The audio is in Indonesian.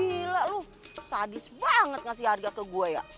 gila loh sadis banget ngasih harga ke gue ya